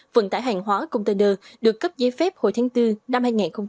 vận tải hàng hóa container được cấp giấy phép hồi tháng bốn năm hai nghìn hai mươi